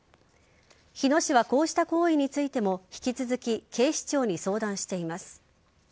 日野市はこうした行為についても引き続き警視庁に相談しています。